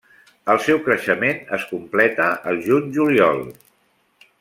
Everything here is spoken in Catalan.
El seu creixement es completa al juny-juliol.